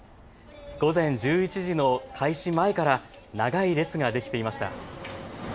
午前１１時の開始前から長い列ができていました。